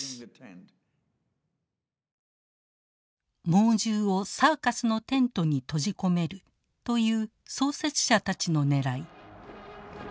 猛獣をサーカスのテントに閉じ込めるという創設者たちのねらい。